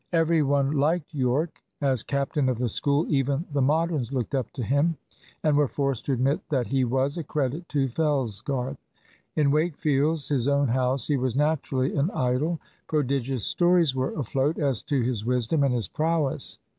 Every one liked Yorke. As captain of the School even the Moderns looked up to him, and were forced to admit that he was a credit to Fellsgarth. In Wakefield's, his own house, he was naturally an idol. Prodigious stories were afloat as to his wisdom and his prowess.